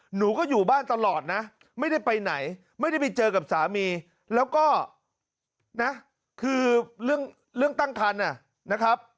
หนูก็อยู่บ้านตลอดนะไม่ได้ไปไหนไม่ได้ไปเจอกับสามีแล้วก็นะคือเรื่องตั้งคันนะครับ